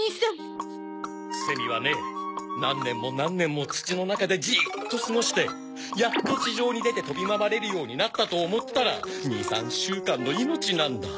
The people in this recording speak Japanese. セミはね何年も何年も土の中でじーっとすごしてやっと地上に出て飛び回れるようになったと思ったら２３週間の命なんだ。